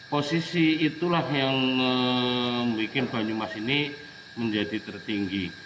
posisi itulah yang membuat banyumas ini menjadi tertinggi